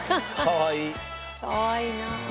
かわいい。